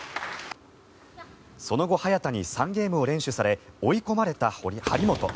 その後、早田に３ゲームを連取され追い込まれた張本。